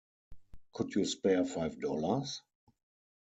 Could you spare five dollars?